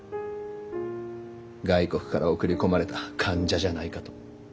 外国から送り込まれた間者じゃないかと。